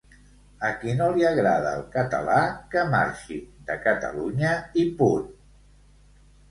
A qui no l'agrada el català que marxi de Catalunya i punt